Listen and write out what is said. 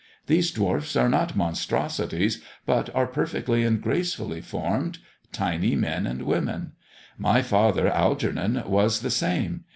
These dwarfs are not monstrosities, but are perfectly and gracefully formed — ^tiny men and women. My father, Algernon, was the same.